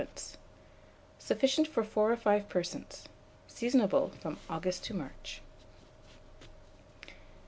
Sufficient for 4 or 5 persons. Seasonable from August to March.